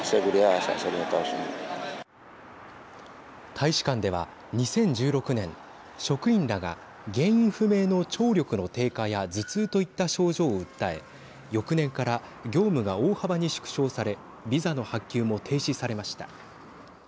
大使館では２０１６年職員らが原因不明の聴力の低下や頭痛といった症状を訴え翌年から業務が大幅に縮小されビサの発給も停止されました。